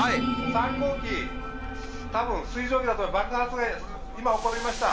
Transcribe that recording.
「３号機多分水蒸気だと爆発が今起こりました」。